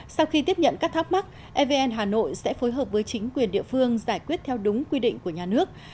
sau khi tiếp nhận các thắc mắc evn hà nội sẽ phối hợp với chính quyền địa phương giải quyết theo đúng quy định của nhà nước